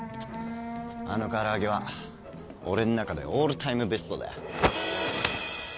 あの唐揚げは俺ん中でオールタイムベストだよ。